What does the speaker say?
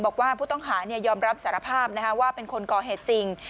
บอกว่าผู้ต้องหายอมรับสารภาพว่าเป็นคนก่อเหตุจริง